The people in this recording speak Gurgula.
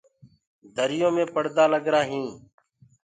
دريو مي پڙدآ لگرآ هينٚ۔